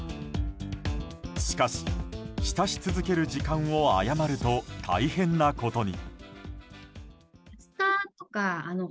しかし浸し続ける時間を誤ると大変なことに。